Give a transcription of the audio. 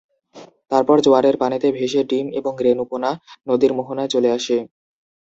তারপর জোয়ারের পানিতে ভেসে ডিম এবং রেণু পোনা নদীর মোহনায় চলে আসে।